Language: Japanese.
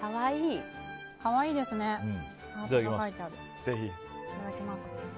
いただきます。